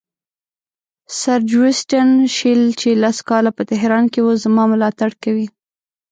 سر جوسټین شیل چې لس کاله په تهران کې وو زما ملاتړ کوي.